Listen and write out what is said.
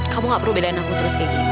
kamu gak perlu bedain aku terus kayak gini